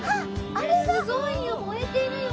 すごいよ燃えてるよ。